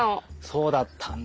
そうだったんだ。